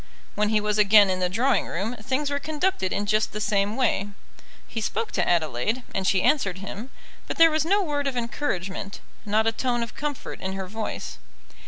When he was again in the drawing room, things were conducted in just the same way. He spoke to Adelaide, and she answered him; but there was no word of encouragement not a tone of comfort in her voice.